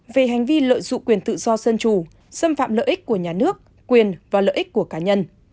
về hành vi lợi dụng quyền tự do dân chủ xâm phạm lợi ích của nhà nước quyền và lợi ích của cá nhân